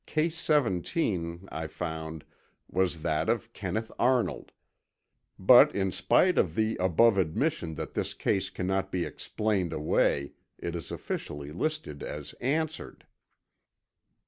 Case 17, I found, was that of Kenneth Arnold. But in spite of the above admission that this case cannot be explained away, it is officially listed as answered.